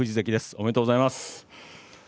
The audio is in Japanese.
ありがとうございます。